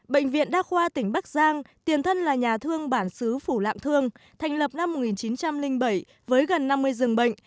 bệnh viện đa khoa tỉnh bắc giang tiền thân là nhà thương bản xứ phủ lạng thương thành lập năm một nghìn chín trăm linh bảy với gần năm mươi giường bệnh